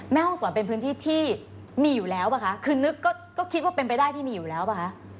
แม่ห้องศรเป็นพื้นที่ที่มีอยู่แล้วป่ะคะคือนึกก็คิดว่าเป็นไปได้ที่มีอยู่แล้วป่ะคะ